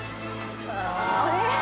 あれ？